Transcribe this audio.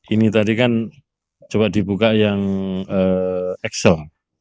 ini tadi kan coba dibuka yang excel